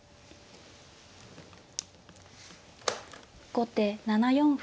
後手７四歩。